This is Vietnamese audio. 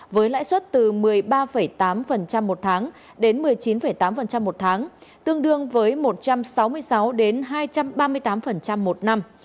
với lãi suất từ một mươi ba tám một tháng đến một mươi chín tám một tháng tương đương với một trăm sáu mươi sáu hai trăm ba mươi tám một năm